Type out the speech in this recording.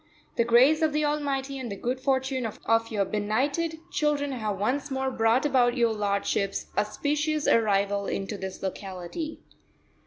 the grace of the Almighty and the good fortune of your benighted children have once more brought about your lordship's auspicious arrival into this locality."